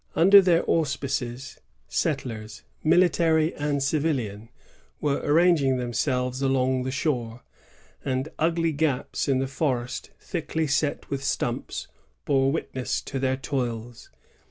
2 Under their auspices, settlers, military and civilian, were ranging themselves along the shore, and ugly gaps in the forest thickly set with stumps bore witness to their toils.